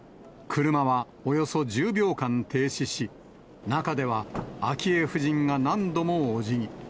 車はおよそ１０秒間停止し、中では昭恵夫人が何度もおじぎ。